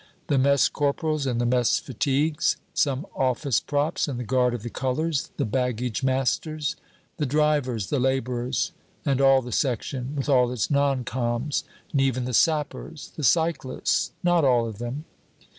"The mess corporals and the mess fatigues." "Some office props and the guard of the colors." "The baggage masters." "The drivers, the laborers, and all the section, with all its non coms., and even the sappers." "The cyclists." "Not all of them."